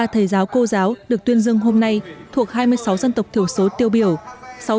ba mươi thầy giáo cô giáo được tuyên dương hôm nay thuộc hai mươi sáu dân tộc thiểu số tiêu biểu